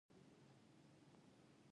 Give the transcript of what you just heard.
د هلمند په خانشین کې د ګچ نښې شته.